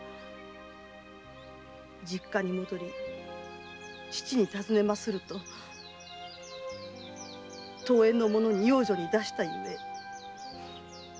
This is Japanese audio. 実家に戻り父に尋ねますると遠縁の者に養女に出したゆえ安心せよと申しました。